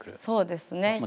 そうですね。